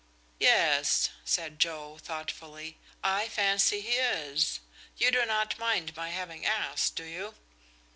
"Yes," said Joe, thoughtfully, "I fancy he is. You do not mind my having asked, do you?"